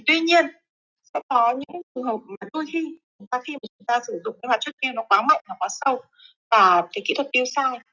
tuy nhiên sẽ có những trường hợp mà đôi khi chúng ta khi mà chúng ta sử dụng hóa chất piêu nó quá mạnh nó quá sâu và cái kỹ thuật piêu sai